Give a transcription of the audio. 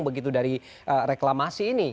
begitu dari reklamasi ini